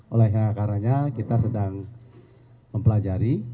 oleh karena karanya kita sedang mempelajari